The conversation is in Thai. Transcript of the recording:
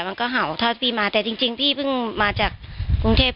มันก็เห่าทอดพี่มาแต่จริงพี่เพิ่งมาจากกรุงเทพ